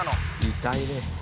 痛いね。